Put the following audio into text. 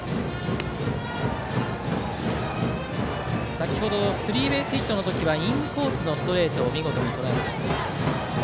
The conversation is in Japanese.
先程スリーベースヒットの時はインコースのストレートを見事にとらえました。